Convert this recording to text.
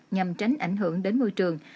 nhằm tránh ảnh hưởng đến môi trường